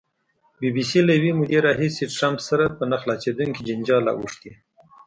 بي بي سي له یوې مودې راهیسې ټرمپ سره په نه خلاصېدونکي جنجال اوښتې.